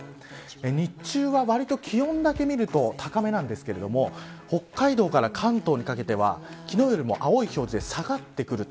日中は、わりと気温だけ見ると高めですが北海道から関東にかけては昨日よりも青い表示で下がってきます。